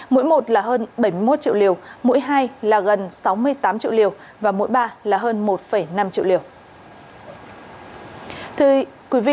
mỗi một là hơn bảy mươi một triệu liều mỗi hai là gần sáu mươi tám triệu liều và mỗi ba là hơn một năm triệu liều